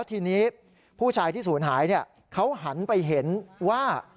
ทีนี้ผู้ชายที่ศูนย์หายเขาหันไปเห็นว่า